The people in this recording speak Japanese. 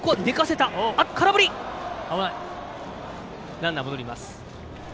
ランナー戻ります。